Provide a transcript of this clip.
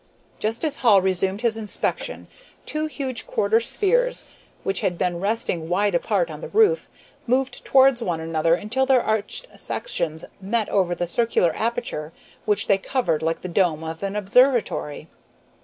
Just as Hall resumed his inspection two huge quarter spheres, which had been resting wide apart on the roof, moved towards one another until their arched sections met over the circular aperture which they covered like the dome of an observatory.